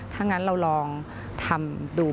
ถ้างั้นเราลองทำดู